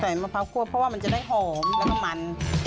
มะพร้าวคั่วเพราะว่ามันจะได้หอมแล้วก็มัน